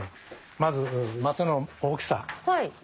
まず的の大きさ。